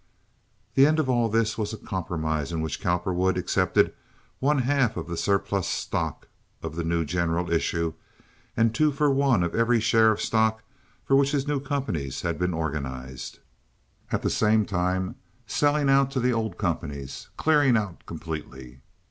The end of all this was a compromise in which Cowperwood accepted one half of the surplus stock of the new general issue, and two for one of every share of stock for which his new companies had been organized, at the same time selling out to the old companies—clearing out completely.